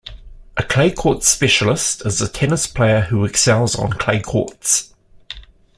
A clay-court specialist is a tennis player who excels on clay courts.